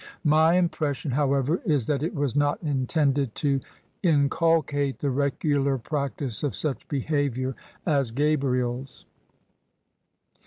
My impression, however, is that it was not intended to inculcate the regular practice of such behaviour as Gabriel's."